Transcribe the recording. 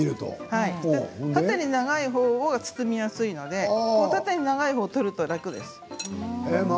縦に長いほうが包みやすいので縦に長いほうをとると楽です。